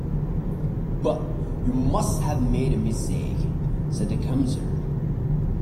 "But you must have made a mistake," said the Commissaire.